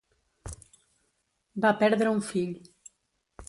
Va perdre un fill.